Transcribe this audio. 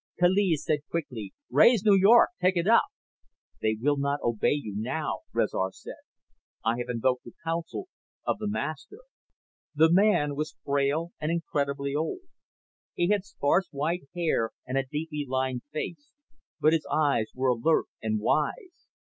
Kaliz said quickly, "Raise New York! Take it up!" "They will not obey you now," Rezar said. "I have invoked the counsel of the Master." The man was frail and incredibly old. He had sparse white hair and a deeply lined face, but his eyes were alert and wise.